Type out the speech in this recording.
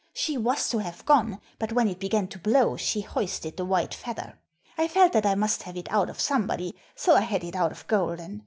She was to have gone, but when it began to blow she hoisted the white feather. I felt that I must have it out of somebody, so I had it out of Golden.